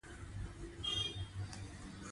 افغانستان کې باران د خلکو د خوښې وړ ځای دی.